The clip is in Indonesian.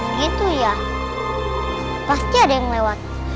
ini ada yang lewat